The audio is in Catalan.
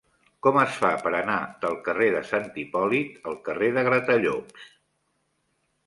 Com es fa per anar del carrer de Sant Hipòlit al carrer de Gratallops?